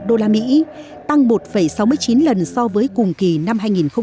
đô la mỹ tăng một sáu mươi chín lần so với cùng kỳ năm hai nghìn một mươi tám